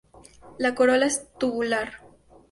La corola es tubular.